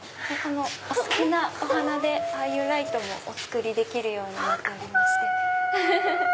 お好きなお花でああいうライトもお作りできるようになってます。